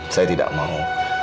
saya tidak mau